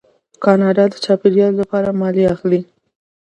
کاناډا د چاپیریال لپاره مالیه اخلي.